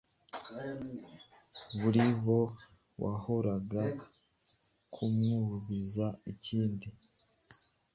Muri bo wahoboraga kumuubiza ikindi,